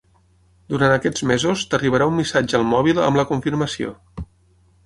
Durant aquests mesos t'arribarà un missatge al mòbil amb la confirmació.